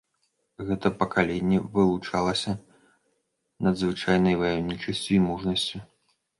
Гэта пакаленне вылучалася надзвычайнай ваяўнічасцю і мужнасцю.